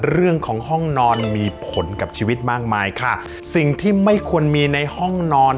เรื่องของห้องนอนมีผลกับชีวิตมากมายค่ะสิ่งที่ไม่ควรมีในห้องนอน